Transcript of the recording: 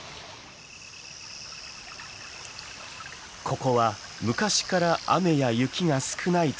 ここは昔から雨や雪が少ない地域。